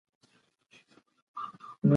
ناسا د پېټټ دغه انځور خپور کړ.